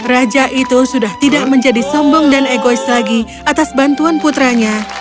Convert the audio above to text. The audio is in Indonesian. raja itu sudah tidak menjadi sombong dan egois lagi atas bantuan putranya